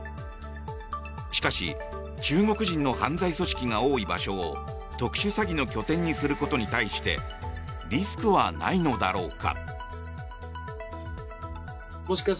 しかし中国人の犯罪組織が多い場所を特殊詐欺の拠点にすることに対してリスクはないのだろうか。